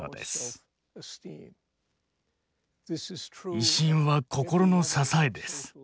威信は心の支えです。